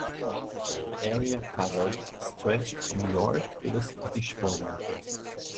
The area covered stretched from York to the Scottish border.